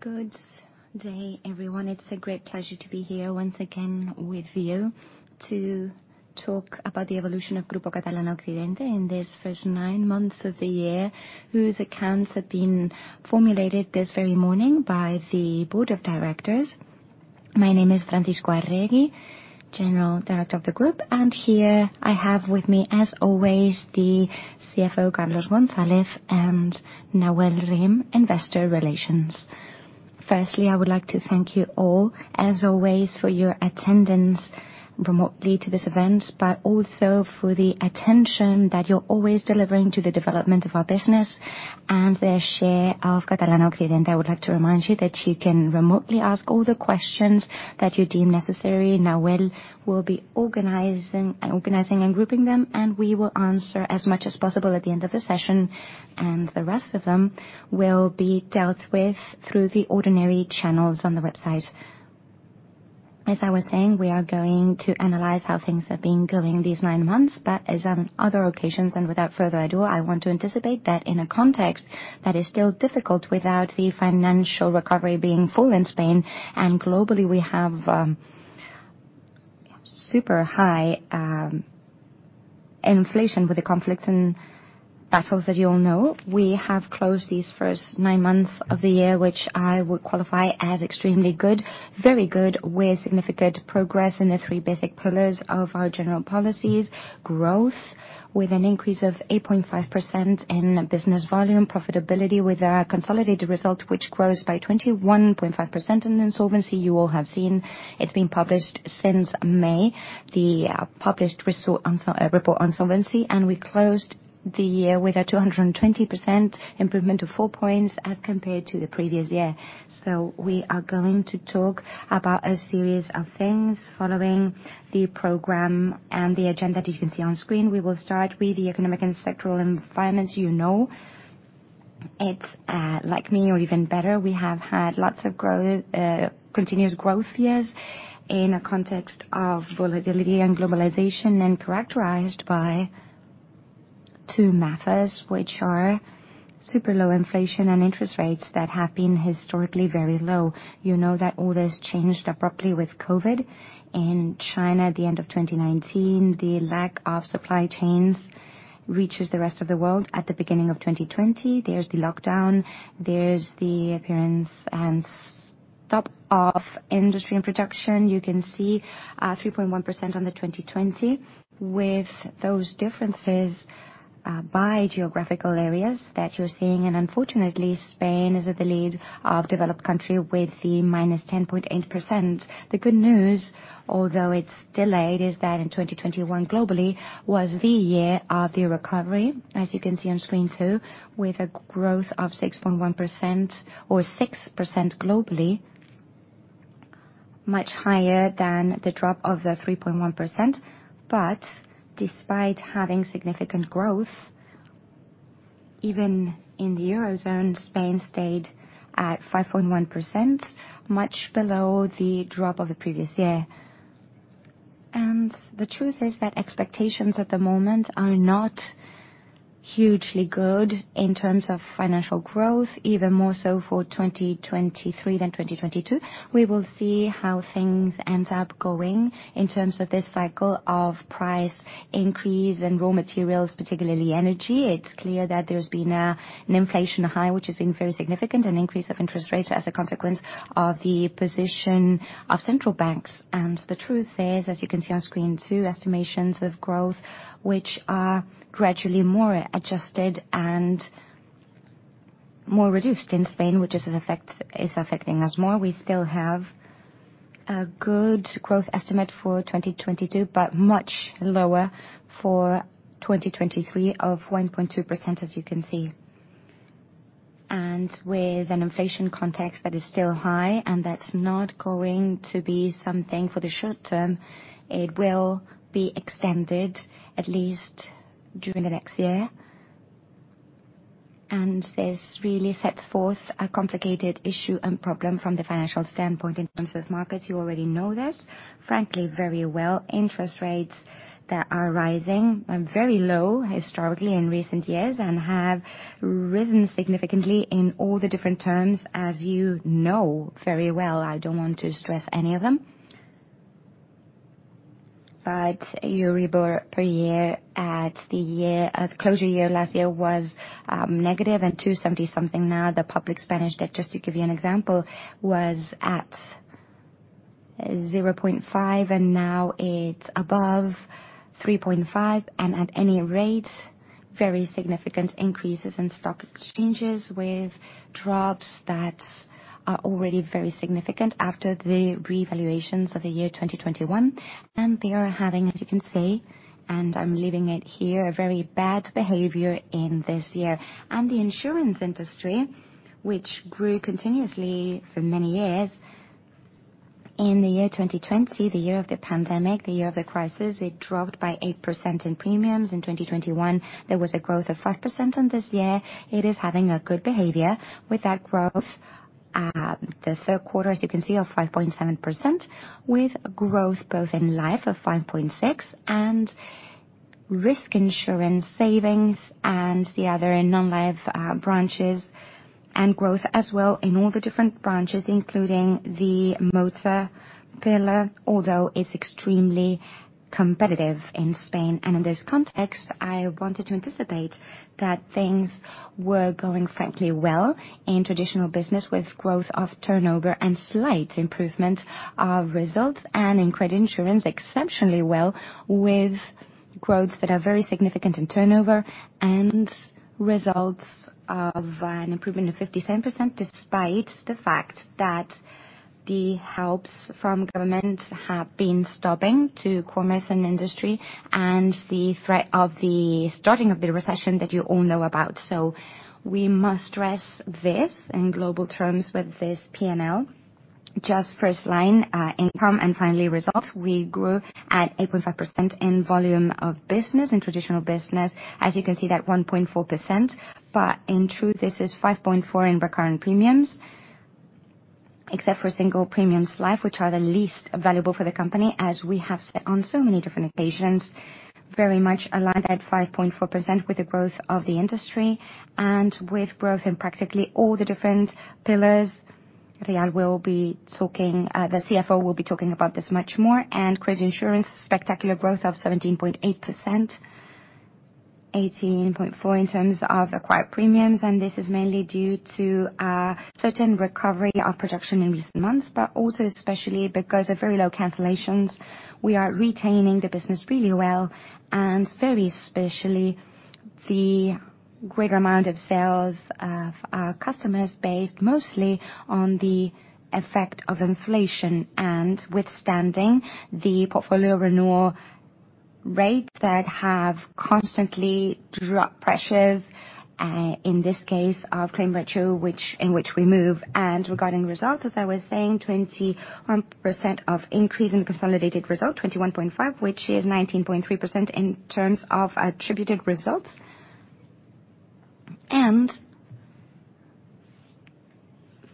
Good day, everyone. It's a great pleasure to be here once again with you to talk about the evolution of Grupo Catalana Occidente in this first nine months of the year, whose accounts have been formulated this very morning by the Board of Directors. My name is Francisco Arregui, General Director of the group, and here I have with me, as always, the CFO, Carlos González, and Nawal Rim, Investor Relations. Firstly, I would like to thank you all as always for your attendance remotely to this event, but also for the attention that you're always delivering to the development of our business and the share of Catalana Occidente. I would like to remind you that you can remotely ask all the questions that you deem necessary. Nawal will be organizing and grouping them, and we will answer as much as possible at the end of the session, and the rest of them will be dealt with through the ordinary channels on the website. As I was saying, we are going to analyze how things have been going these nine months, but as on other occasions and without further ado, I want to anticipate that in a context that is still difficult without the financial recovery being full in Spain and globally, we have super high inflation with the conflict and battles that you all know. We have closed these first nine months of the year, which I would qualify as extremely good, very good, with significant progress in the three basic pillars of our general policies, growth, with an increase of 8.5% in business volume. Profitability, with a consolidated result which grows by 21.5%. In solvency, you all have seen, it's been published since May, the published result on the report on solvency, and we closed the year with a 220% improvement of 4 points as compared to the previous year. We are going to talk about a series of things following the program and the agenda that you can see on screen. We will start with the economic and sectoral environments. You know, it's, like me or even better, we have had lots of growth, continuous growth years in a context of volatility and globalization and characterized by two matters, which are super low inflation and interest rates that have been historically very low. You know that all this changed abruptly with COVID. In China, at the end of 2019, the lack of supply chains reaches the rest of the world. At the beginning of 2020, there's the lockdown, there's the appearance and stop of industry and production. You can see, 3.1% on the 2020 with those differences, by geographical areas that you're seeing. Unfortunately, Spain is at the lead of developed country with the -10.8%. The good news, although it's delayed, is that in 2021 globally was the year of the recovery, as you can see on screen, two, with a growth of 6.1% or 6% globally, much higher than the drop of the 3.1%. Despite having significant growth, even in the Eurozone, Spain stayed at 5.1%, much below the drop of the previous year. The truth is that expectations at the moment are not hugely good in terms of financial growth, even more so for 2023 than 2022. We will see how things end up going in terms of this cycle of price increase and raw materials, particularly energy. It's clear that there's been an inflation high, which has been very significant, an increase of interest rates as a consequence of the position of central banks. The truth is, as you can see on screen, too, estimations of growth, which are gradually more adjusted and more reduced in Spain, which is affecting us more. We still have a good growth estimate for 2022, but much lower for 2023 of 1.2%, as you can see. With an inflation context that is still high and that's not going to be something for the short term, it will be extended at least during the next year. This really sets forth a complicated issue and problem from the financial standpoint in terms of markets. You already know this, frankly, very well. Interest rates that are rising, very low historically in recent years, and have risen significantly in all the different terms, as you know very well. I don't want to stress any of them. Euribor per year at the year closure year last year was -0.270-something. Now, the public Spanish debt, just to give you an example, was at 0.5%, and now it's above 3.5%. At any rate, very significant increases in stock exchanges with drops that are already very significant after the revaluations of the year 2021. They are having, as you can see, and I'm leaving it here, a very bad behavior in this year. The insurance industry, which grew continuously for many years, in the year 2020, the year of the pandemic, the year of the crisis, it dropped by 8% in premiums. In 2021, there was a growth of 5%. In this year, it is having a good behavior with that growth, the third quarter, as you can see, of 5.7%, with growth both in life of 5.6% and risk insurance savings, and the other in non-life branches and growth as well in all the different branches, including the motor pillar, although it's extremely competitive in Spain. In this context, I wanted to anticipate that things were going frankly well in traditional business, with growth of turnover and slight improvement of results, and in credit insurance exceptionally well, with growths that are very significant in turnover and results of an improvement of 57%, despite the fact that the helps from government have been supporting commerce and industry and the threat of the starting of the recession that you all know about. We must stress this in global terms with this P&L. Just first line, income and final results. We grew at 8.5% in volume of business. In traditional business, as you can see, that 1.4%. In truth, this is 5.4 in recurrent premiums, except for single premiums life, which are the least valuable for the company, as we have said on so many different occasions. Very much aligned at 5.4% with the growth of the industry and with growth in practically all the different pillars. Rial will be talking. The CFO will be talking about this much more. Credit insurance, spectacular growth of 17.8%, 18.4 in terms of acquired premiums. This is mainly due to a certain recovery of production in recent months, but also especially because of very low cancellations. We are retaining the business really well and very specially the greater amount of sales of our customers based mostly on the effect of inflation and withstanding the portfolio renewal rates that have constantly dropped pressures in this case of claim ratio, in which we move. Regarding results, as I was saying, 21% increase in consolidated result, 21.5, which is 19.3% in terms of attributed results.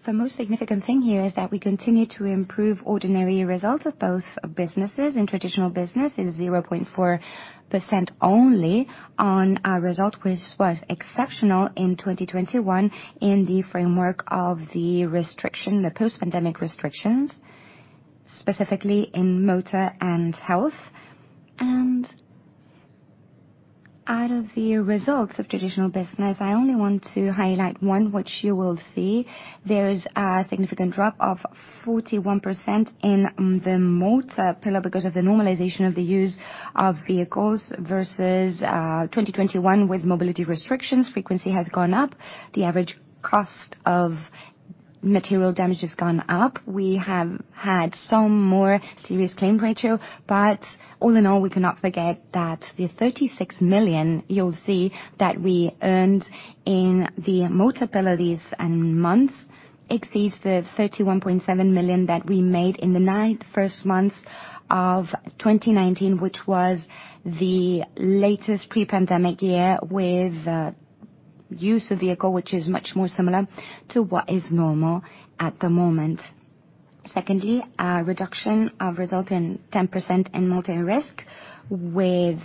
The most significant thing here is that we continue to improve ordinary results of both businesses. In traditional business is 0.4% only on our result, which was exceptional in 2021 in the framework of the restriction, the post-pandemic restrictions, specifically in motor and health. Out of the results of traditional business, I only want to highlight one, which you will see. There is a significant drop of 41% in the motor pillar because of the normalization of the use of vehicles versus 2021 with mobility restrictions. Frequency has gone up. The average cost of material damage has gone up. We have had some more serious claim ratio, but all in all, we cannot forget that the 36 million you'll see that we earned in the motor pillar these months exceeds the 31.7 million that we made in the first nine months of 2019, which was the latest pre-pandemic year with use of vehicle, which is much more similar to what is normal at the moment. Secondly, a reduction of result in 10% in multi-risk with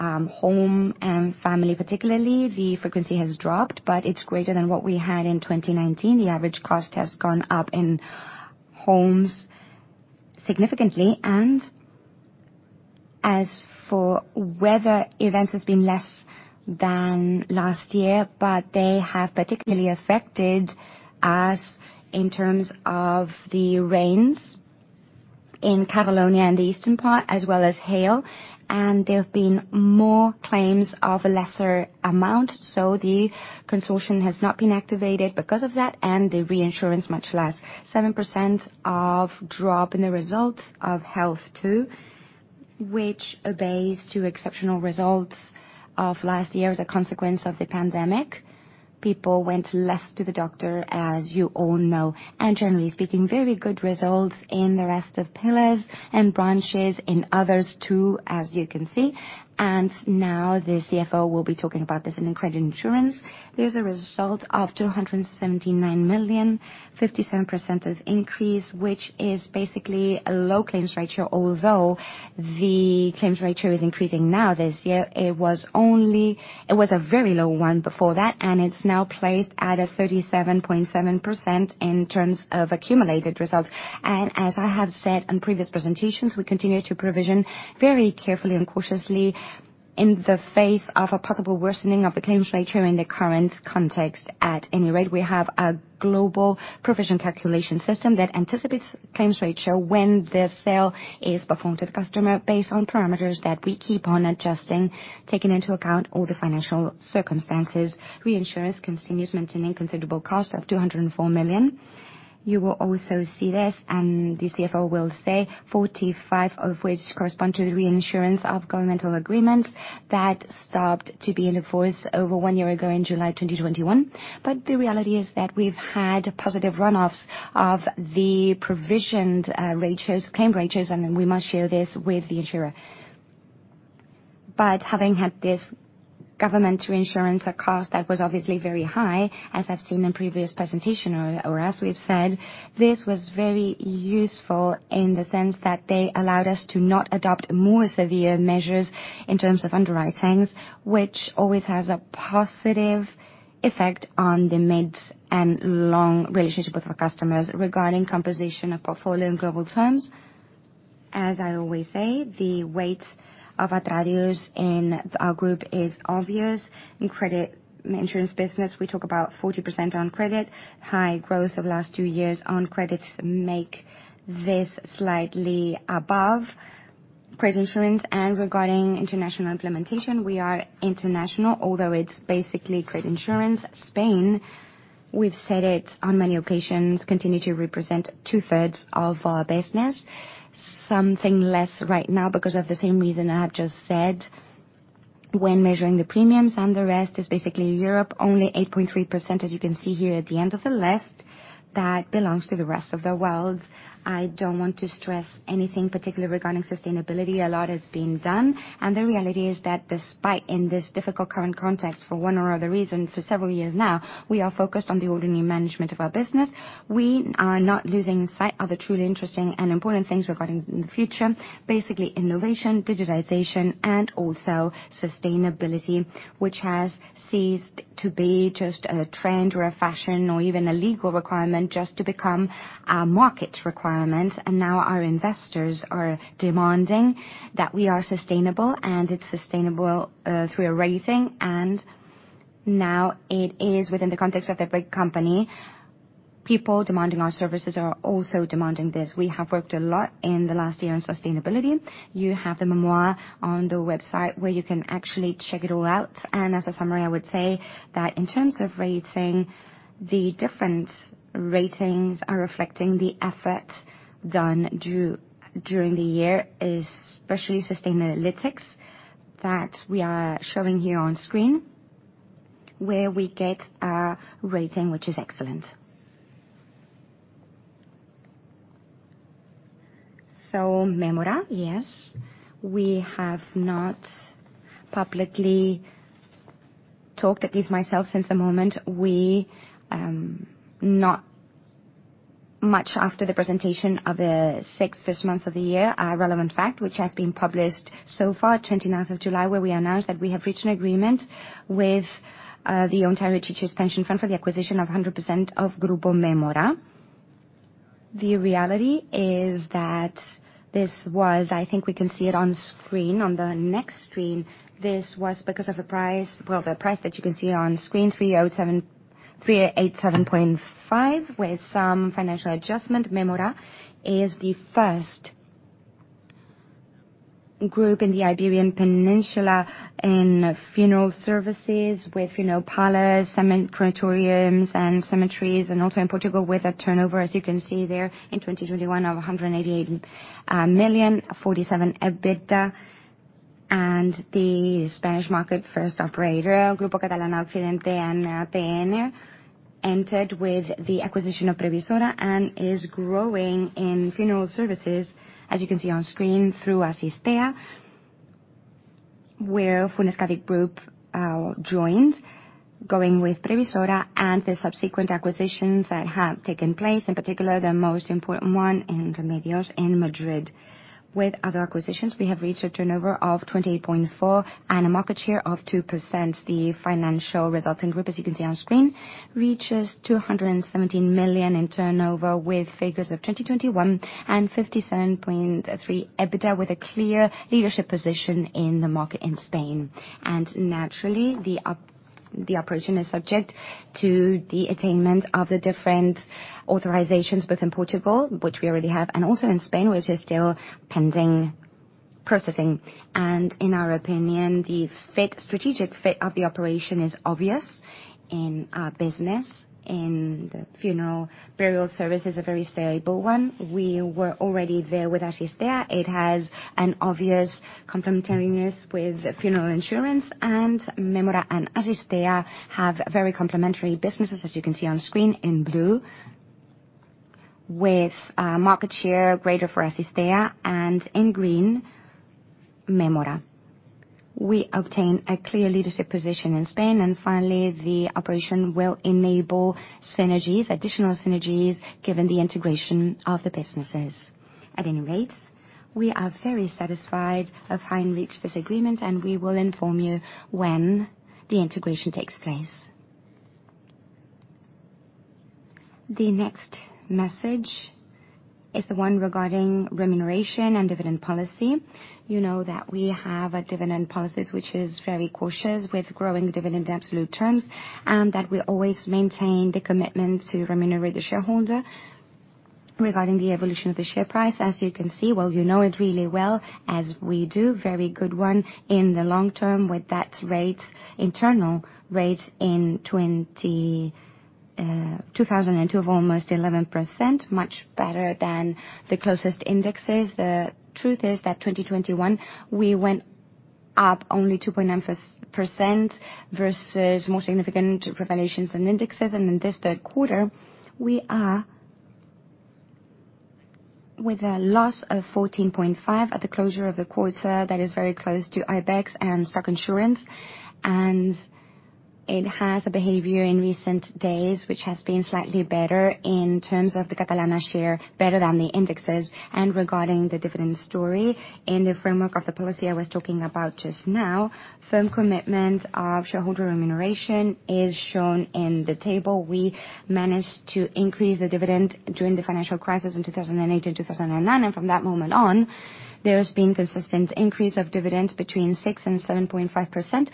home and family particularly. The frequency has dropped, but it's greater than what we had in 2019. The average cost has gone up in homes significantly. As for weather events, has been less than last year, but they have particularly affected us in terms of the rains in Catalonia and the eastern part, as well as hail. There have been more claims of a lesser amount, so the consortium has not been activated because of that, and the reinsurance much less. 7% drop in the results of health too, which obeys to exceptional results of last year as a consequence of the pandemic. People went less to the doctor, as you all know. Generally speaking, very good results in the rest of pillars and branches, in others too, as you can see. Now the CFO will be talking about this in credit insurance. There's a result of 279 million, 57% increase, which is basically a low claims ratio. Although the claims ratio is increasing now this year, it was a very low one before that, and it's now placed at 37.7% in terms of accumulated results. As I have said on previous presentations, we continue to provision very carefully and cautiously in the face of a possible worsening of the claims ratio in the current context. At any rate, we have a global provision calculation system that anticipates claims ratio when the sale is performed to the customer based on parameters that we keep on adjusting, taking into account all the financial circumstances. Reinsurance continues maintaining considerable cost of 204 million. You will also see this, and the CFO will say 45 million of which correspond to the reinsurance of governmental agreements that stopped to be in force over one year ago in July 2021. The reality is that we've had positive runoffs of the provisioned ratios, claim ratios, and we must share this with the insurer. Having had this government reinsurance, a cost that was obviously very high, as I've seen in previous presentation or as we've said. This was very useful in the sense that they allowed us to not adopt more severe measures in terms of underwritings, which always has a positive effect on the mid and long-relationship with our customers. Regarding composition of portfolio in global terms, as I always say, the weight of Atradius in our group is obvious. In credit insurance business, we talk about 40% on credit. High growth of the last two years on credits make this slightly above credit insurance. Regarding international implementation, we are international, although it's basically credit insurance. Spain, we've said it on many occasions, continue to represent 2/3s of our business. Something less right now because of the same reason I have just said when measuring the premiums. The rest is basically Europe, only 8.3%, as you can see here at the end of the list that belongs to the rest of the world. I don't want to stress anything particular regarding sustainability. A lot is being done, and the reality is that despite in this difficult current context, for one or other reason, for several years now, we are focused on the ordinary management of our business. We are not losing sight of the truly interesting and important things regarding the future. Basically, innovation, digitization, and also sustainability, which has ceased to be just a trend or a fashion or even a legal requirement just to become a market requirement. Now our investors are demanding that we are sustainable, and it's sustainable through a rating. Now it is within the context of a big company. People demanding our services are also demanding this. We have worked a lot in the last year on sustainability. You have the Mémora on the website where you can actually check it all out. As a summary, I would say that in terms of rating, the different ratings are reflecting the effort done during the year, especially Sustainalytics that we are showing here on screen, where we get a rating which is excellent. Mémora, yes. We have not publicly talked, at least myself, since the moment. We not much after the presentation of the first six months of the year, a relevant fact which has been published so far, 29th of July, where we announced that we have reached an agreement with the Ontario Teachers' Pension Plan for the acquisition of 100% of Grupo Mémora. The reality is that this was I think we can see it on screen, on the next screen. This was because of the price, well, the price that you can see on screen, 387.5 million, with some financial adjustment. Mémora is the first group in the Iberian Peninsula in funeral services with, you know, parlors, crematoriums, and cemeteries, and also in Portugal, with a turnover, as you can see there, in 2021 of 188 million, 47 million EBITDA. The Spanish market first operator, Grupo Catalana Occidente and Antares, entered with the acquisition of Previsora and is growing in funeral services, as you can see on screen, through Asistea, where Funeuskadi Group joined, going with Previsora and the subsequent acquisitions that have taken place, in particular, the most important one in Remedios in Madrid. With other acquisitions, we have reached a turnover of 28.4 million and a market share of 2%. The financial results in group, as you can see on screen, reaches 217 million in turnover, with figures of 2021 and 57.3 million EBITDA, with a clear leadership position in the market in Spain. Naturally, the operation is subject to the attainment of the different authorizations, both in Portugal, which we already have, and also in Spain, which is still pending processing. In our opinion, the fit, strategic fit of the operation is obvious in our business, in the funeral burial service is a very stable one. We were already there with Asistea. It has an obvious complementariness with funeral insurance. Mémora and Asistea have very complementary businesses, as you can see on screen in blue, with a market share greater for Asistea, and in green, Mémora. We obtain a clear leadership position in Spain. Finally, the operation will enable synergies, additional synergies, given the integration of the businesses. At any rate, we are very satisfied of having reached this agreement, and we will inform you when the integration takes place. The next message is the one regarding remuneration and dividend policy. You know that we have a dividend policy which is very cautious with growing dividend in absolute terms, and that we always maintain the commitment to remunerate the shareholder regarding the evolution of the share price. As you can see, well, you know it really well, as we do, very good one in the long term with that rate, internal rate in 2002 of almost 11%, much better than the closest indexes. The truth is that 2021, we went up only 2.9% versus more significant appreciations and indexes. In this third quarter, we are with a loss of 14.5% at the closure of the quarter, that is very close to IBEX and insurance stocks. It has a behavior in recent days, which has been slightly better in terms of the Catalana share, better than the indexes. Regarding the dividend story, in the framework of the policy I was talking about just now, firm commitment of shareholder remuneration is shown in the table. We managed to increase the dividend during the financial crisis in 2008 and 2009, and from that moment on, there's been consistent increase of dividends between 6%-7.5%,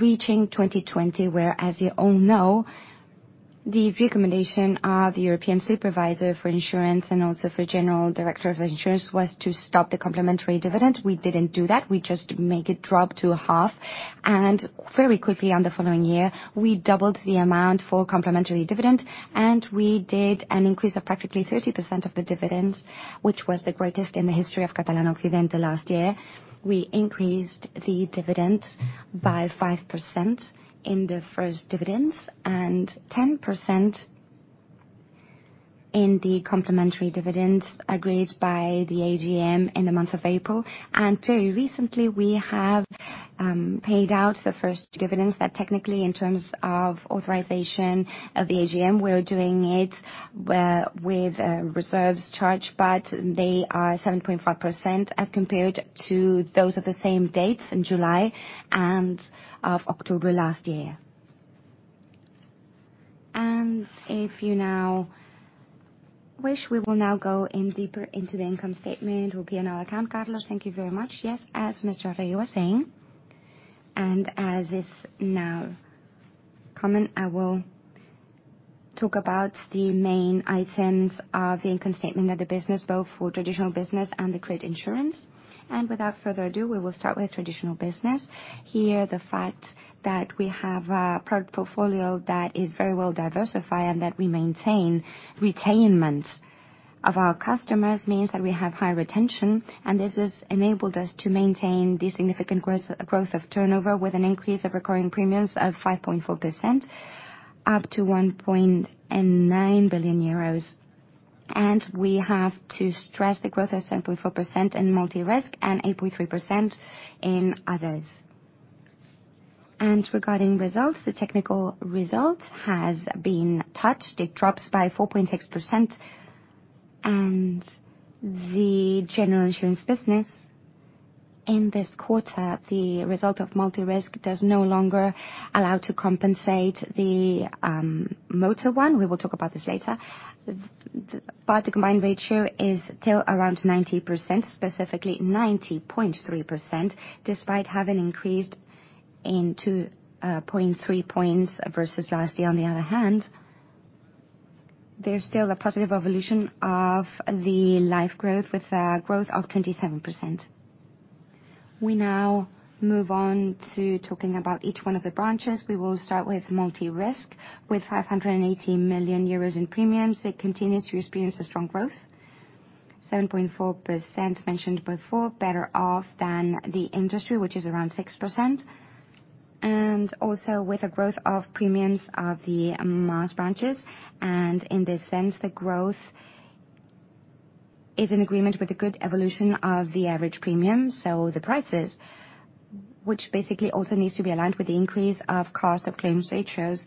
reaching 2020, where, as you all know, the recommendation of the European Supervisor for Insurance and also for General Director of Insurance was to stop the complementary dividend. We didn't do that. We just make it drop to a half. Very quickly on the following year, we doubled the amount for complementary dividend, and we did an increase of practically 30% of the dividend, which was the greatest in the history of Catalana Occidente last year. We increased the dividend by 5% in the first dividends and 10% in the complementary dividends agreed by the AGM in the month of April. Very recently, we have paid out the first dividends that technically, in terms of authorization of the AGM, we're doing it with reserves charge, but they are 7.5% as compared to those at the same dates in July and October last year. If you now wish, we will now go in deeper into the income statement. We'll be in our account. Carlos. Thank you very much. Yes, as Mr. Arregui was saying, and as is now common, I will talk about the main items of the income statement of the business, both for traditional business and the credit insurance. Without further ado, we will start with traditional business. Here, the fact that we have a product portfolio that is very well diversified and that we maintain retention of our customers means that we have high retention, and this has enabled us to maintain the significant growth of turnover with an increase of recurring premiums of 5.4%, up to 1.9 billion euros. We have to stress the growth of 7.4% in multi-risk and 8.3% in others. Regarding results, the technical result has been touched. It drops by 4.6%. The general insurance business in this quarter, the result of multi-risk does no longer allow to compensate the motor one. We will talk about this later. But the combined ratio is still around 90%, specifically 90.3%, despite having increased in 2.3 points versus last year. On the other hand, there's still a positive evolution of the life growth with a growth of 27%. We now move on to talking about each one of the branches. We will start with multi-risk. With 580 million euros in premiums, it continues to experience a strong growth, 7.4% mentioned before, better off than the industry, which is around 6%, and also with a growth of premiums of the mass branches. In this sense, the growth is in agreement with the good evolution of the average premium. The prices, which basically also needs to be aligned with the increase of cost of claims ratios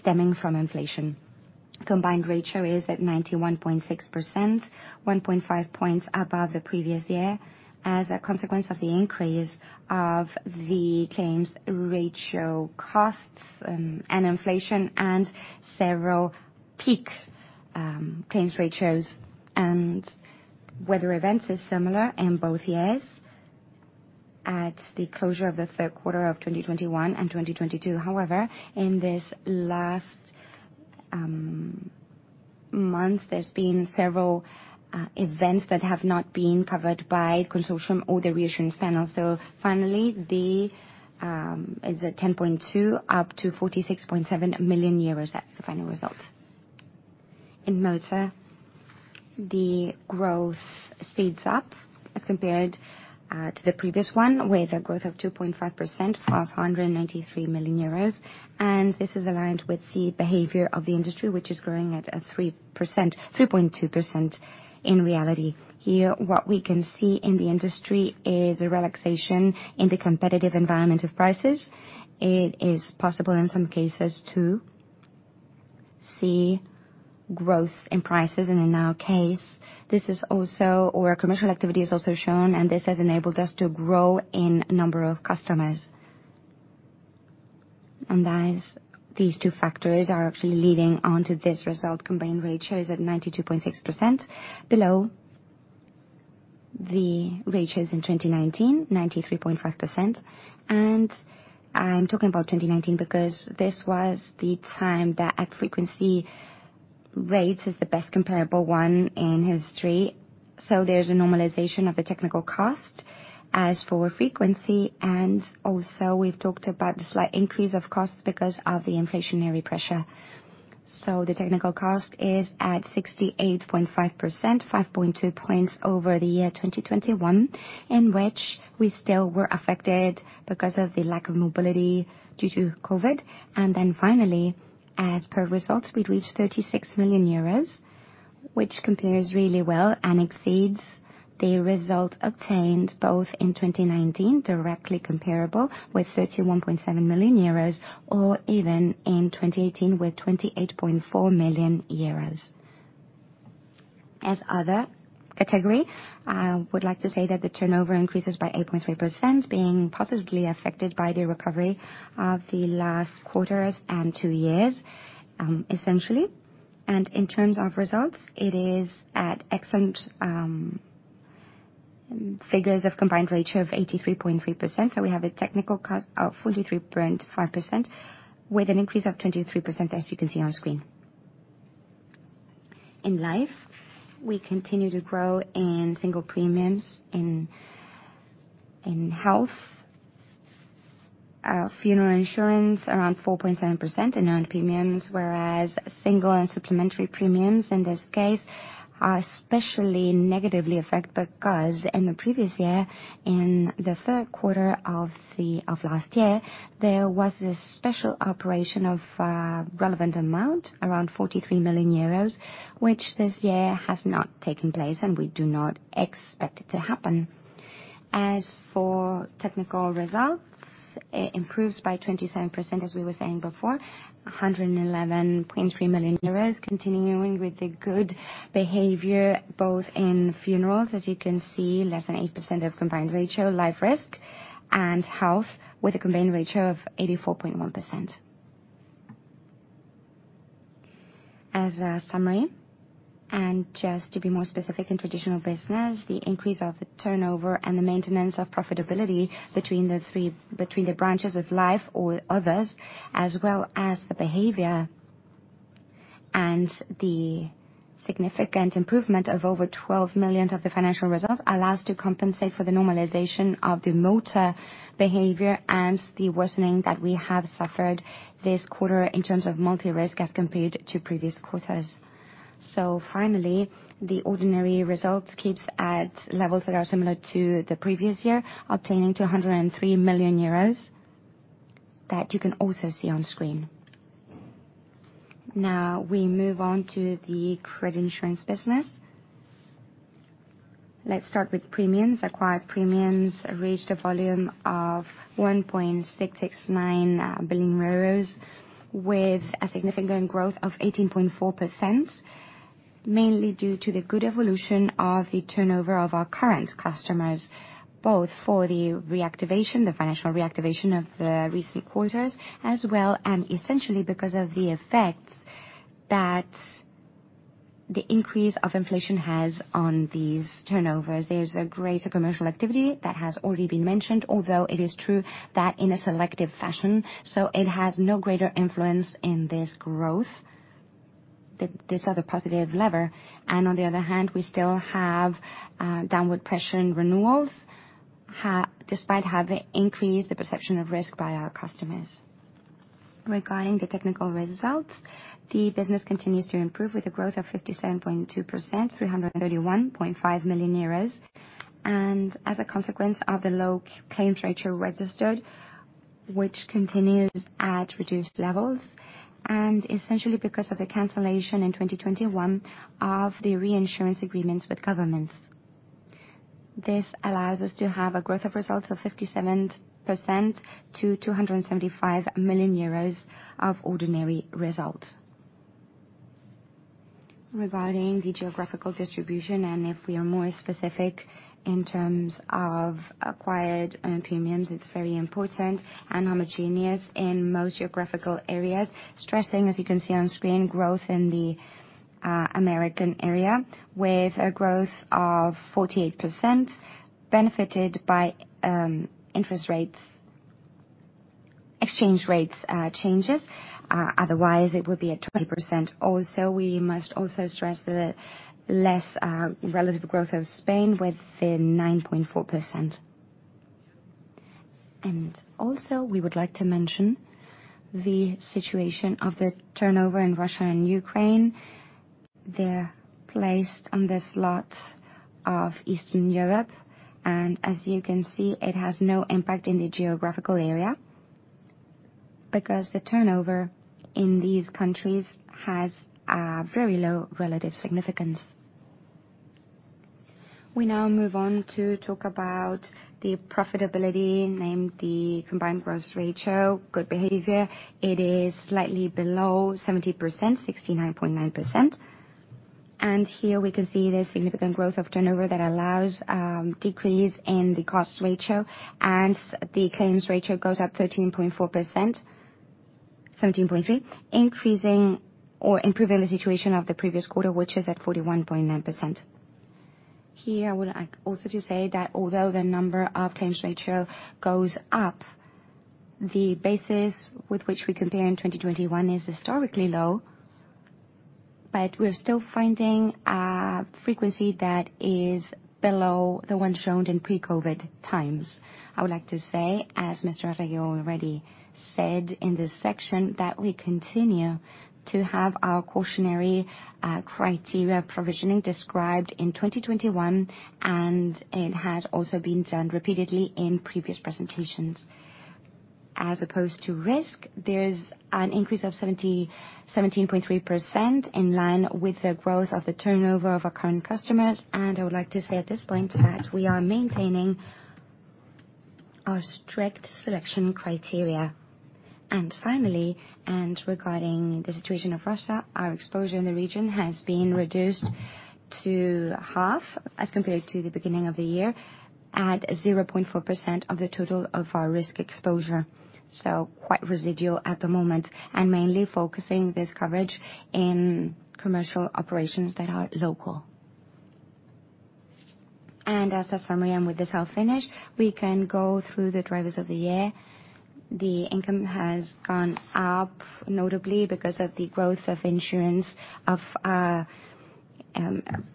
stemming from inflation. Combined ratio is at 91.6%, 1.5 points above the previous year, as a consequence of the increase of the claims ratio costs, and inflation, and several peak claims ratios. Weather events is similar in both years at the closure of the third quarter of 2021 and 2022. However, in this last month, there's been several events that have not been covered by consortium or the reinsurance panel. Finally, the is at 10.2% up to 46.7 million euros. That's the final result. In motor, the growth speeds up as compared to the previous one, with a growth of 2.5% of 193 million euros. This is aligned with the behavior of the industry, which is growing at 3%, 3.2% in reality. Here, what we can see in the industry is a relaxation in the competitive environment of prices. It is possible in some cases to see growth in prices. In our case, this is also where commercial activity is also shown, and this has enabled us to grow in number of customers. Thus, these two factors are actually leading on to this result. Combined ratio is at 92.6%, below the ratios in 2019, 93.5%. I'm talking about 2019 because this was the time that at frequency rates is the best comparable one in history. There's a normalization of the technical cost. As for frequency, and also we've talked about the slight increase of costs because of the inflationary pressure. The technical cost is at 68.5%, 5.2 points over the year 2021, in which we still were affected because of the lack of mobility due to COVID. Finally, as per results, we'd reached 36 million euros, which compares really well and exceeds the result obtained both in 2019, directly comparable with 31.7 million euros, or even in 2018 with 28.4 million euros. As other category, I would like to say that the turnover increases by 8.3% being positively affected by the recovery of the last quarters and two years, essentially. In terms of results, it is at excellent figures of combined ratio of 83.3%. We have a technical cost of 43.5% with an increase of 23% as you can see on screen. In life, we continue to grow in single premiums. In health, our funeral insurance around 4.7% in earned premiums, whereas single and supplementary premiums in this case are especially negatively affected because in the previous year, in the third quarter of last year, there was a special operation of relevant amount, around 43 million euros, which this year has not taken place, and we do not expect it to happen. As for technical results, it improves by 27%, as we were saying before, 111.3 million euros continuing with the good behavior both in funerals, as you can see, less than 8% of combined ratio, life risk, and health with a combined ratio of 84.1%. As a summary, and just to be more specific in traditional business, the increase of the turnover and the maintenance of profitability between the three, between the branches of life or others, as well as the behavior and the significant improvement of over 12 million of the financial results allows to compensate for the normalization of the motor behavior and the worsening that we have suffered this quarter in terms of multi-risk as compared to previous quarters. Finally, the ordinary results keeps at levels that are similar to the previous year, obtaining to 103 million euros that you can also see on screen. Now we move on to the credit insurance business. Let's start with premiums. Acquired premiums reached a volume of 1.669 billion euros with a significant growth of 18.4%, mainly due to the good evolution of the turnover of our current customers, both for the reactivation, the financial reactivation of the recent quarters as well, and essentially because of the effects that the increase of inflation has on these turnovers. There's a greater commercial activity that has already been mentioned, although it is true that in a selective fashion, so it has no greater influence in this growth, this other positive lever. On the other hand, we still have downward pressure in renewals despite have increased the perception of risk by our customers. Regarding the technical results, the business continues to improve with a growth of 57.2%, 331.5 million euros. As a consequence of the low claims ratio registered, which continues at reduced levels, and essentially because of the cancellation in 2021 of the reinsurance agreements with governments. This allows us to have a growth of results of 57% to 275 million euros of ordinary results. Regarding the geographical distribution, and if we are more specific in terms of acquired premiums, it's very important and homogeneous in most geographical areas. Stressing, as you can see on screen, growth in the American area with a growth of 48% benefited by interest rates, exchange rates changes. Otherwise, it would be at 20% also. We must also stress the less relative growth of Spain with the 9.4%. We would like to mention the situation of the turnover in Russia and Ukraine. They're placed on the slot of Eastern Europe, and as you can see, it has no impact in the geographical area because the turnover in these countries has a very low relative significance. We now move on to talk about the profitability, namely the combined ratio, good behavior. It is slightly below 70%, 69.9%. Here we can see the significant growth of turnover that allows decrease in the cost ratio and the claims ratio goes up 13.4%, 17.3, improving the situation of the previous quarter, which is at 41.9%. Here I would like also to say that although the number of claims ratio goes up, the basis with which we compare in 2021 is historically low, but we're still finding a frequency that is below the one shown in pre-COVID times. I would like to say, as Mr. Arregui already said in this section, that we continue to have our cautionary criteria provisioning described in 2021, and it has also been done repeatedly in previous presentations. As opposed to risk, there's an increase of 17.3% in line with the growth of the turnover of our current customers. I would like to say at this point that we are maintaining our strict selection criteria. Finally, regarding the situation of Russia, our exposure in the region has been reduced to half as compared to the beginning of the year at 0.4% of the total of our risk exposure. Quite residual at the moment. Mainly focusing this coverage in commercial operations that are local. As a summary, and with this I'll finish, we can go through the drivers of the year. The income has gone up, notably because of the growth of insurance of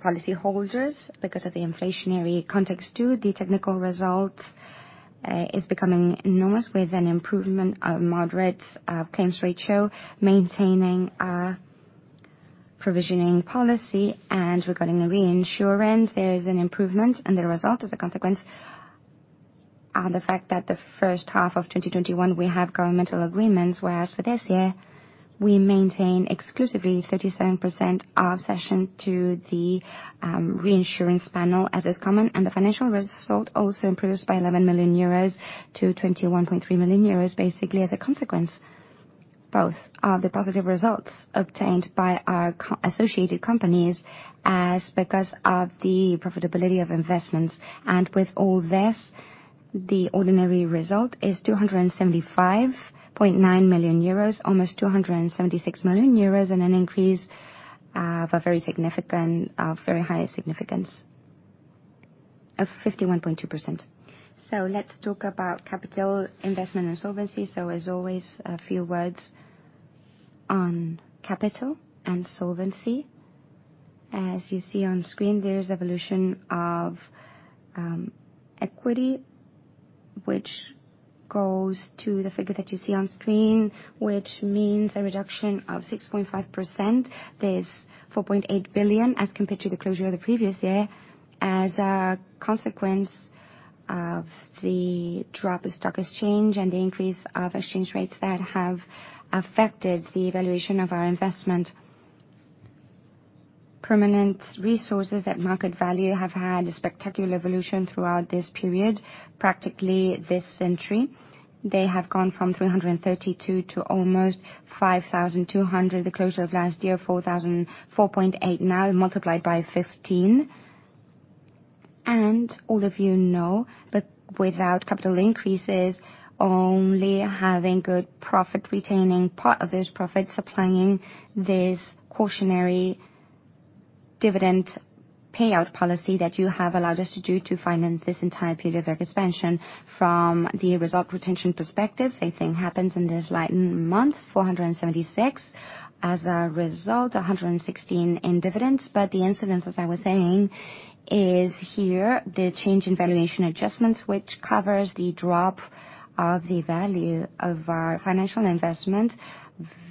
policyholders, because of the inflationary context too. The technical result is becoming enormous with an improvement of moderate claims ratio, maintaining a provisioning policy. Regarding the reinsurance, there is an improvement, and the result is a consequence of the fact that the first half of 2021 we have governmental agreements, whereas for this year we maintain exclusively 37% of cession to the reinsurance panel, as is common. The financial result also improves by 11 million euros to 21.3 million euros, basically as a consequence. Both are the positive results obtained by our associated companies as well as because of the profitability of investments. With all this, the ordinary result is 275.9 million euros, almost 276 million euros, and an increase of a very significant, of very high significance of 51.2%. Let's talk about capital investment and solvency. As always, a few words on capital and solvency. As you see on screen, there's evolution of equity, which goes to the figure that you see on screen, which means a reduction of 6.5%. There's 4.8 billion as compared to the closure of the previous year. As a consequence of the drop of stock exchange and the increase of exchange rates that have affected the valuation of our investment. Permanent resources at market value have had a spectacular evolution throughout this period. Practically this century, they have gone from 332 to almost 5,200. The close of last year, 4,004.8. Now multiplied by 15. All of you know that without capital increases, only having good profit, retaining part of this profit, sustaining this cautious dividend payout policy that you have allowed us to do to finance this entire period of expansion. From the result retention perspective, same thing happens in these last nine months, 476. As a result, 116 in dividends. The incidence, as I was saying, is here the change in valuation adjustments, which covers the drop in the value of our financial investments,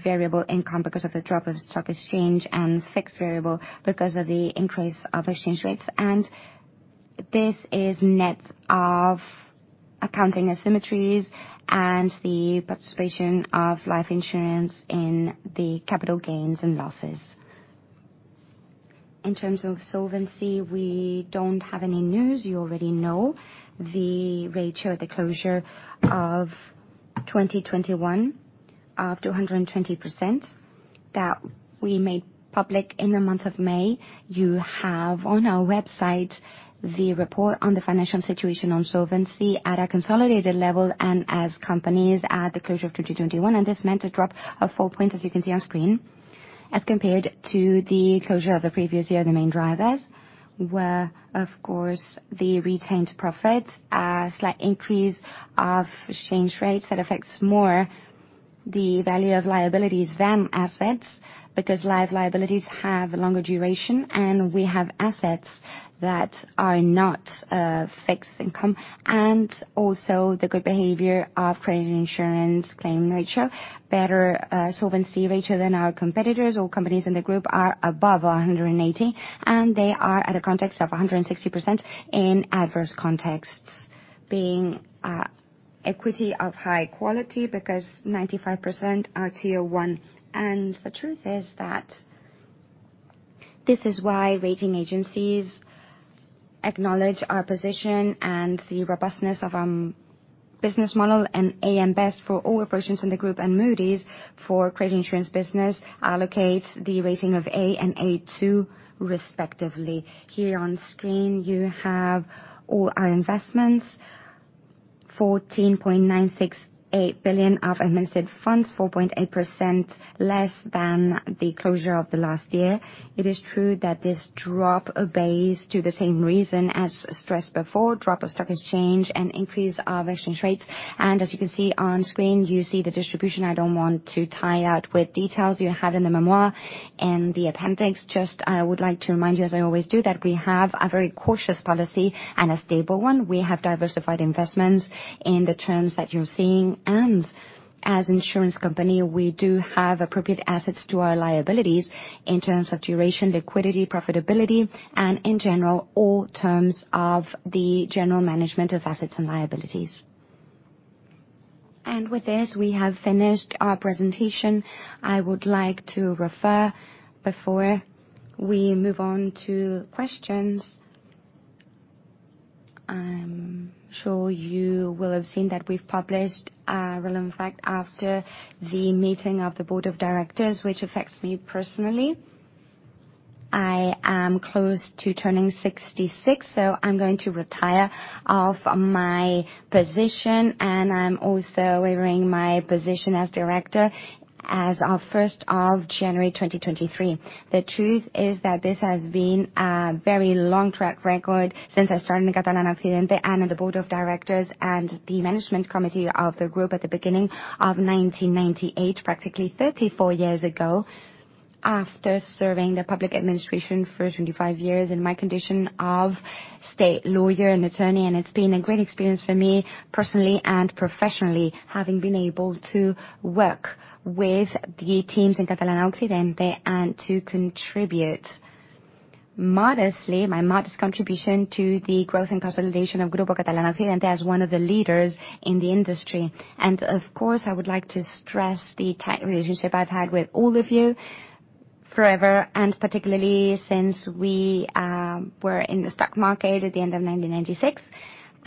variable income because of the drop of the stock exchange, and fixed income because of the increase of interest rates. This is net of accounting asymmetries and the participation of life insurance in the capital gains and losses. In terms of solvency, we don't have any news. You already know the ratio at the closure of 2021 of 220% that we made public in the month of May. You have on our website the report on the financial situation on solvency at a consolidated level and as companies at the closure of 2021, and this meant a drop of 4 points, as you can see on screen, as compared to the closure of the previous year. The main drivers were, of course, the retained profit, a slight increase of exchange rates that affects more the value of liabilities than assets, because life liabilities have a longer duration, and we have assets that are not fixed income. Also the good behavior of credit insurance claim ratio, better solvency ratio than our competitors. All companies in the group are above 180, and they are at a context of 160% in adverse contexts, being equity of high quality because 95% are Tier 1. The truth is that this is why rating agencies acknowledge our position and the robustness of business model. AM Best for all operations in the group, and Moody's for credit insurance business allocate the rating of A and A2 respectively. Here on screen you have all our investments, 14.968 billion of administered funds, 4.8% less than the closure of the last year. It is true that this drop owes to the same reason as stressed before, drop of stock exchange and increase of exchange rates. As you can see on screen, you see the distribution. I don't want to dive into details you have in the memo and the appendix. Just, I would like to remind you, as I always do, that we have a very cautious policy and a stable one. We have diversified investments in the terms that you're seeing. As insurance company, we do have appropriate assets to our liabilities in terms of duration, liquidity, profitability, and in general, all terms of the general management of assets and liabilities. With this, we have finished our presentation. I would like to refer before we move on to questions. I'm sure you will have seen that we've published a relevant fact after the meeting of the Board of Directors, which affects me personally. I am close to turning 66, so I'm going to retire off my position, and I'm also waiving my position as director as of January 1, 2023. The truth is that this has been a very long track record since I started in Catalana Occidente and on the Board of Directors and the management committee of the group at the beginning of 1998, practically 34 years ago, after serving the public administration for 25 years in my condition of state lawyer and attorney. It's been a great experience for me, personally and professionally, having been able to work with the teams in Catalana Occidente and to contribute modestly, my modest contribution to the growth and consolidation of Grupo Catalana Occidente as one of the leaders in the industry. Of course, I would like to stress the tight relationship I've had with all of you forever, and particularly since we were in the stock market at the end of 1996.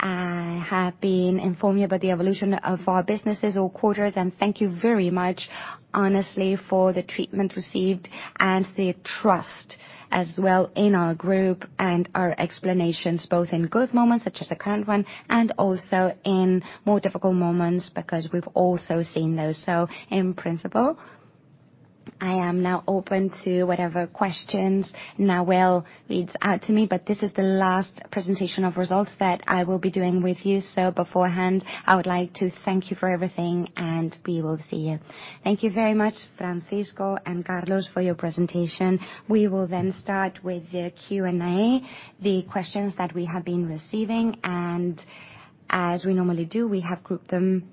I have been informing you about the evolution of our businesses all quarters, and thank you very much, honestly, for the treatment received and the trust as well in our group and our explanations, both in good moments, such as the current one, and also in more difficult moments, because we've also seen those. In principle, I am now open to whatever questions Nawal Rim reads out to me, but this is the last presentation of results that I will be doing with you. Beforehand, I would like to thank you for everything, and we will see you. Thank you very much, Francisco and Carlos, for your presentation. We will start with the Q&A. The questions that we have been receiving, and as we normally do, we have grouped them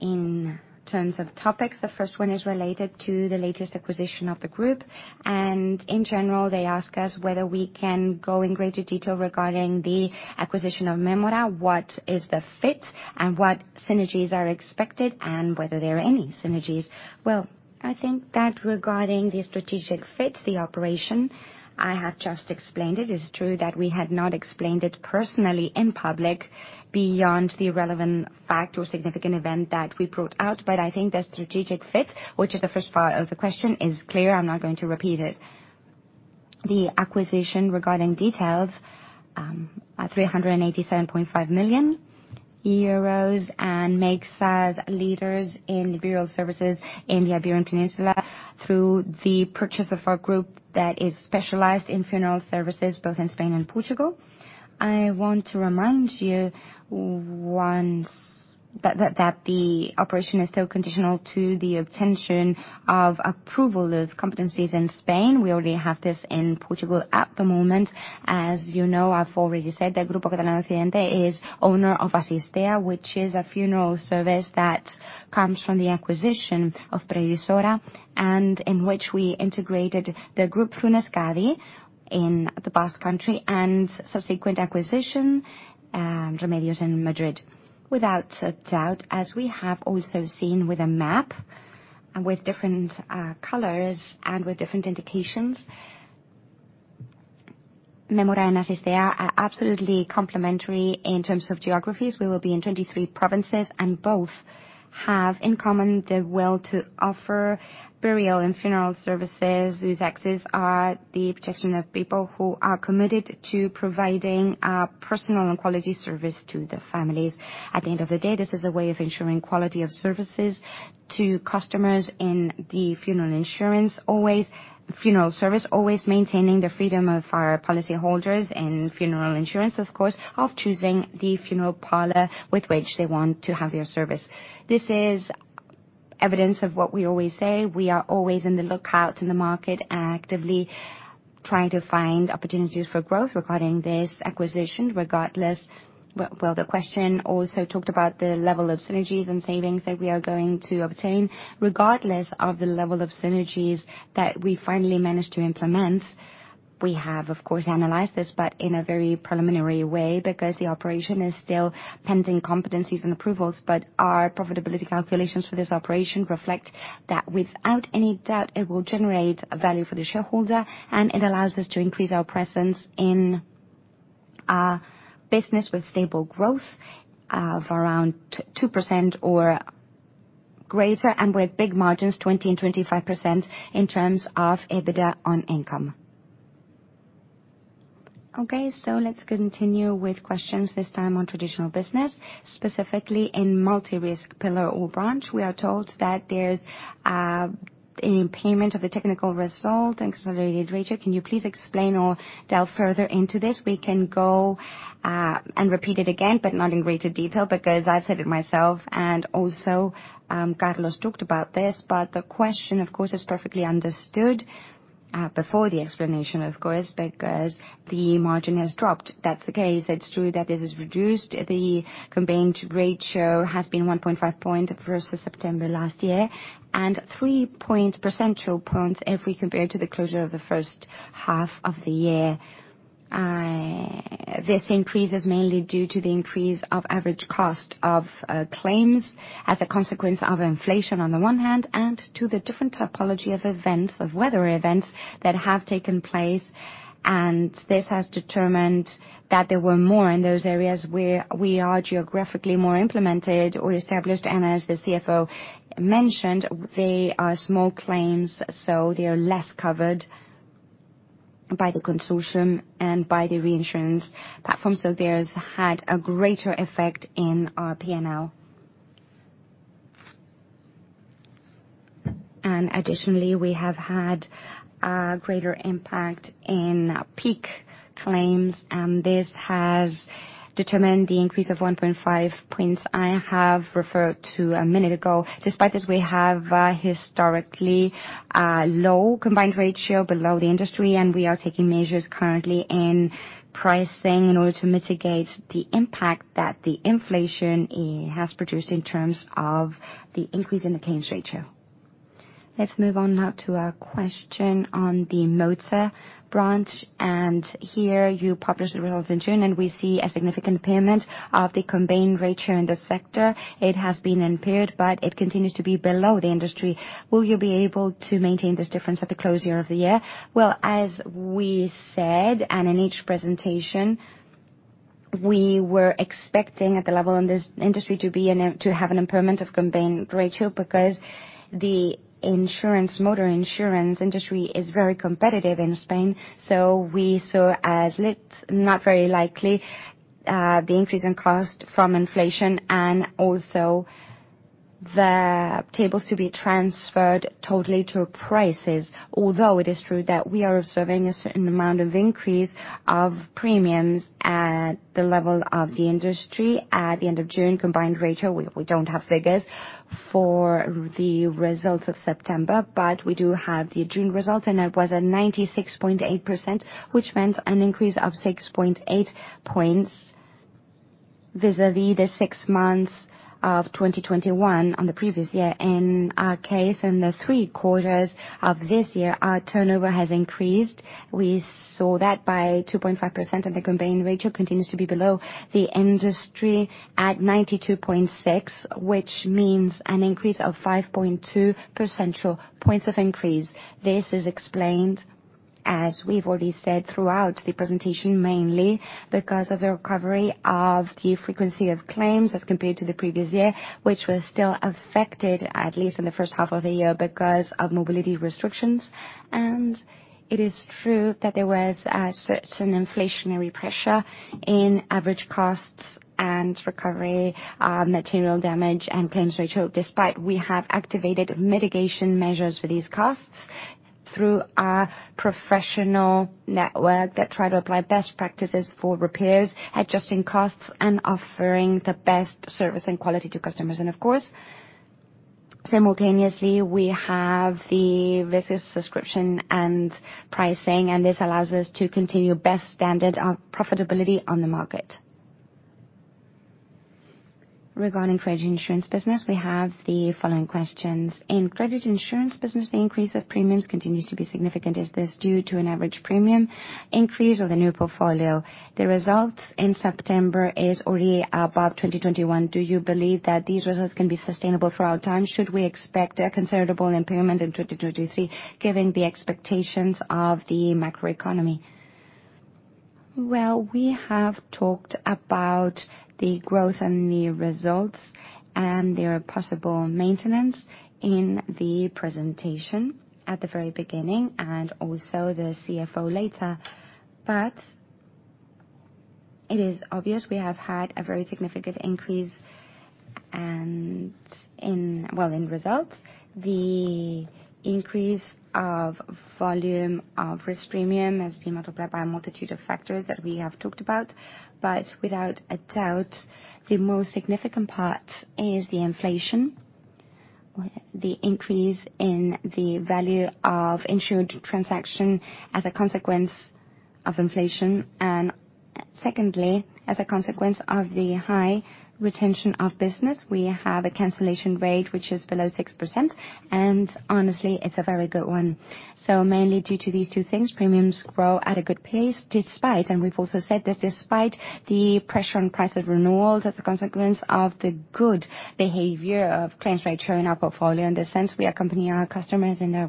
in terms of topics. The first one is related to the latest acquisition of the group, and in general, they ask us whether we can go in greater detail regarding the acquisition of Mémora, what is the fit and what synergies are expected, and whether there are any synergies. Well, I think that regarding the strategic fit, the operation, I have just explained it. It's true that we had not explained it personally in public beyond the relevant fact or significant event that we brought out. I think the strategic fit, which is the first part of the question, is clear. I'm not going to repeat it. The acquisition regarding details at 387.5 million euros makes us leaders in the funeral services in the Iberian Peninsula through the purchase of our group that is specialized in funeral services both in Spain and Portugal. I want to remind you that the operation is still conditional to the obtaining of approval from the competent authorities in Spain. We already have this in Portugal at the moment. As you know, I've already said that Grupo Catalana Occidente is owner of Asistea, which is a funeral service that comes from the acquisition of Previsora and in which we integrated the group Funeuskadi in the Basque Country and subsequent acquisition, Remedios in Madrid. Without a doubt, as we have also seen with a map and with different colors and with different indications, Mémora and Asistea are absolutely complementary in terms of geographies. We will be in 23 provinces, and both have in common the will to offer burial and funeral services, whose axes are the protection of people who are committed to providing a personal and quality service to the families. At the end of the day, this is a way of ensuring quality of services to customers in the funeral service, always maintaining the freedom of our policyholders in funeral insurance, of course, of choosing the funeral parlor with which they want to have their service. This is evidence of what we always say. We are always on the lookout in the market and actively trying to find opportunities for growth regarding this acquisition, regardless, the question also talked about the level of synergies and savings that we are going to obtain. Regardless of the level of synergies that we finally managed to implement, we have, of course, analyzed this, but in a very preliminary way, because the operation is still pending competition and approvals. Our profitability calculations for this operation reflect that without any doubt, it will generate value for the shareholder, and it allows us to increase our presence in a business with stable growth of around 2% or greater and with big margins, 20% and 25%, in terms of EBITDA on income. Okay, let's continue with questions, this time on traditional business, specifically in multi-risk pillar or branch. We are told that there's an impairment of the technical result and combined ratio. Can you please explain or delve further into this? We can go and repeat it again, but not in greater detail, because I've said it myself and also, Carlos González talked about this. The question, of course, is perfectly understood. Before the explanation, of course, because the margin has dropped. That's the case. It's true that this has reduced the combined ratio. It has been 1.5 points versus September last year, and 3 percentage points if we compare to the closure of the first half of the year. This increase is mainly due to the increase of average cost of claims as a consequence of inflation on the one hand, and to the different typology of events, of weather events that have taken place. This has determined that there were more in those areas where we are geographically more implemented or established. As the CFO mentioned, they are small claims, so they are less covered by the consortium and by the reinsurance platform. This has had a greater effect in our P&L. Additionally we have had a greater impact in peak claims, and this has determined the increase of 1.5 points I have referred to a minute ago. Despite this, we have historically a low combined ratio below the industry, and we are taking measures currently in pricing in order to mitigate the impact that the inflation has produced in terms of the increase in the claims ratio. Let's move on now to a question on the motor branch. Here you publish the results in June, and we see a significant impairment of the combined ratio in the sector. It has been impaired, but it continues to be below the industry. Will you be able to maintain this difference at the closure of the year? Well, as we said, and in each presentation, we were expecting at the level in this industry to have an impairment of combined ratio because motor insurance industry is very competitive in Spain, so we saw not very likely the increase in cost from inflation, and also the tables to be transferred totally to prices. Although it is true that we are observing a certain amount of increase of premiums at the level of the industry. At the end of June, combined ratio, we don't have figures for the results of September, but we do have the June results and it was at 96.8%, which meant an increase of 6.8 points vis-a-vis the six months of 2021 on the previous year. In our case, in the three quarters of this year, our turnover has increased. We saw that by 2.5%, and the combined ratio continues to be below the industry at 92.6, which means an increase of 5.2 percentage points of increase. This is explained, as we've already said throughout the presentation, mainly because of the recovery of the frequency of claims as compared to the previous year, which was still affected, at least in the first half of the year, because of mobility restrictions. It is true that there was a certain inflationary pressure in average costs and recovery, material damage, and claims ratio. Despite we have activated mitigation measures for these costs through our professional network that try to apply best practices for repairs, adjusting costs and offering the best service and quality to customers. Of course, simultaneously we have the business subscription and pricing, and this allows us to continue best standard profitability on the market. Regarding credit insurance business, we have the following questions. In credit insurance business, the increase of premiums continues to be significant. Is this due to an average premium increase or the new portfolio? The results in September is already above 2021. Do you believe that these results can be sustainable throughout time? Should we expect a considerable impairment in 2023, given the expectations of the macroeconomy? Well, we have talked about the growth and the results and their possible maintenance in the presentation at the very beginning and also the CFO later. It is obvious we have had a very significant increase, and in results. The increase of volume of risk premium has been multiplied by a multitude of factors that we have talked about, but without a doubt, the most significant part is the inflation. The increase in the value of insured transaction as a consequence of inflation. Secondly, as a consequence of the high retention of business, we have a cancellation rate which is below 6%. Honestly, it's a very good one. Mainly due to these two things, premiums grow at a good pace despite, and we've also said this, despite the pressure on price of renewals as a consequence of the good behavior of claims ratio in our portfolio. In the sense we accompany our customers in their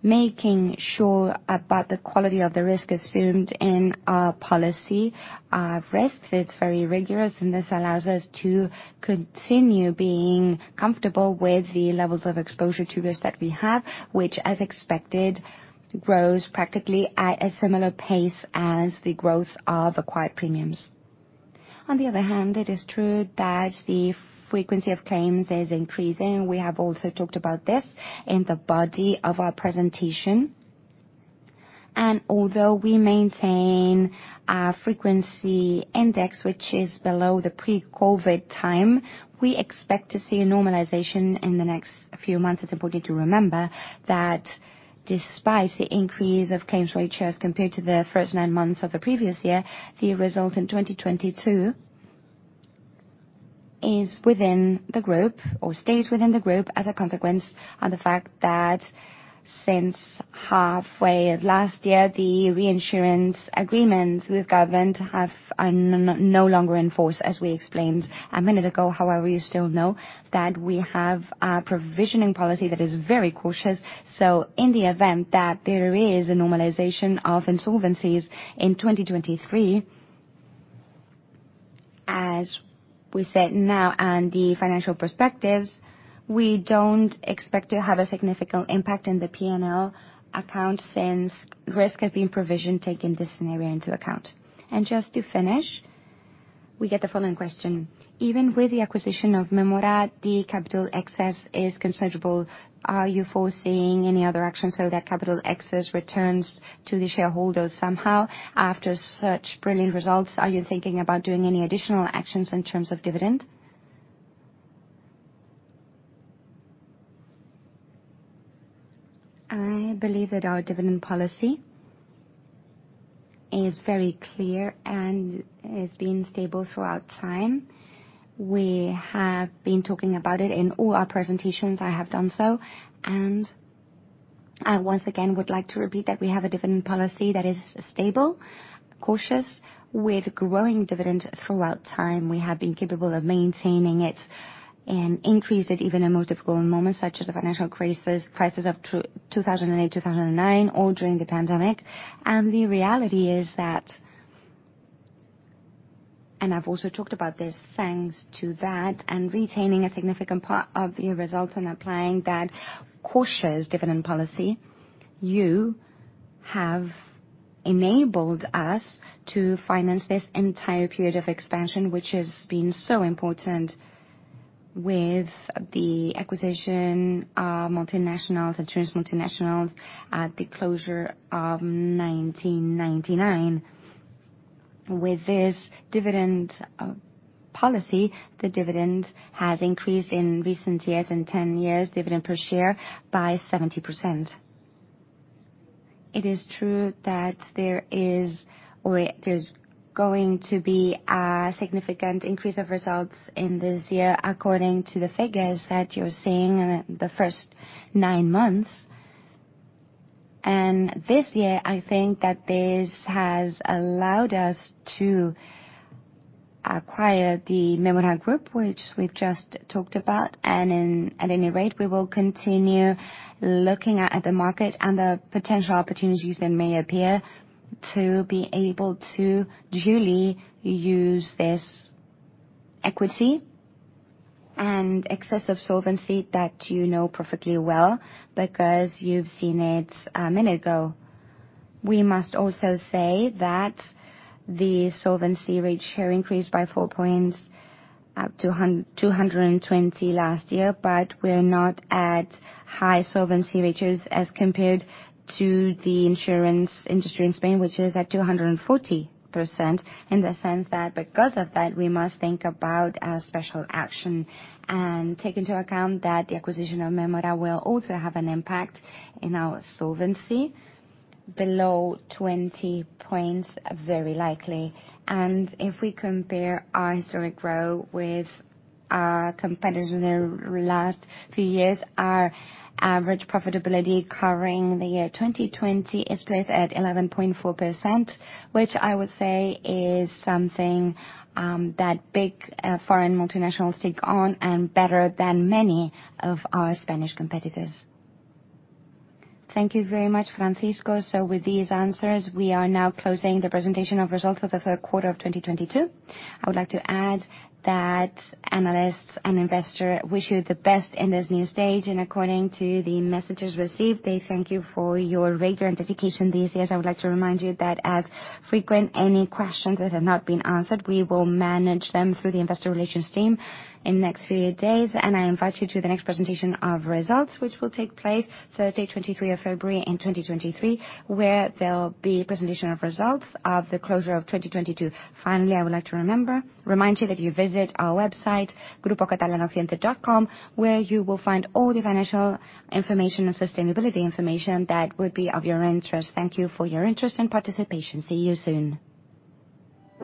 growth, making sure about the quality of the risk assumed in our policy of risks. It's very rigorous, and this allows us to continue being comfortable with the levels of exposure to risk that we have, which as expected, grows practically at a similar pace as the growth of acquired premiums. On the other hand, it is true that the frequency of claims is increasing. We have also talked about this in the body of our presentation. Although we maintain our frequency index, which is below the pre-COVID time, we expect to see a normalization in the next few months. It's important to remember that despite the increase of claims ratios compared to the first nine months of the previous year, the result in 2022 is within the group, or stays within the group, as a consequence of the fact that since halfway of last year, the reinsurance agreements with government have no longer in force, as we explained a minute ago. However, you still know that we have a provisioning policy that is very cautious. In the event that there is a normalization of insolvencies in 2023, as we said now on the financial perspectives, we don't expect to have a significant impact in the P&L account, since risk has been provisioned taking this scenario into account. Just to finish, we get the following question: Even with the acquisition of Mémora, the capital excess is considerable. Are you foreseeing any other actions so that capital excess returns to the shareholders somehow? After such brilliant results, are you thinking about doing any additional actions in terms of dividend? I believe that our dividend policy is very clear and has been stable throughout time. We have been talking about it in all our presentations I have done so, and I once again would like to repeat that we have a dividend policy that is stable, cautious, with growing dividend throughout time. We have been capable of maintaining it and increase it even in more difficult moments, such as the financial crisis of 2008, 2009, or during the pandemic. The reality is that, and I've also talked about this, thanks to that and retaining a significant part of the results and applying that cautious dividend policy, you have enabled us to finance this entire period of expansion, which has been so important with the acquisition of multinationals, insurance multinationals at the closure of 1999. With this dividend policy, the dividend has increased in recent years, in 10 years, dividend per share by 70%. It is true that there is, or there's going to be a significant increase of results in this year according to the figures that you're seeing in the first nine months. This year, I think that this has allowed us to acquire the Mémora group, which we've just talked about. At any rate, we will continue looking at the market and the potential opportunities that may appear to be able to duly use this equity and excess of solvency that you know perfectly well, because you've seen it a minute ago. We must also say that the solvency ratio increased by four points up to 220 last year. We're not at high solvency ratios as compared to the insurance industry in Spain, which is at 240%, in the sense that because of that, we must think about a special action and take into account that the acquisition of Mémora will also have an impact in our solvency below 20 points, very likely. If we compare our historic growth with our competitors in the last few years, our average profitability covering the year 2020 is placed at 11.4%, which I would say is something that big foreign multinationals take on and better than many of our Spanish competitors. Thank you very much, Francisco. With these answers, we are now closing the presentation of results of the third quarter of 2022. I would like to add that analysts and investors wish you the best in this new stage. According to the messages received, they thank you for your rigor and dedication these years. I would like to remind you that as frequent, any questions that have not been answered, we will manage them through the investor relations team in the next few days. I invite you to the next presentation of results, which will take place Thursday, 23 of February in 2023, where there'll be presentation of results of the closure of 2022. Finally, I would like to remind you that you visit our website, grupocatalanaoccidente.com, where you will find all the financial information and sustainability information that would be of your interest. Thank you for your interest and participation. See you soon.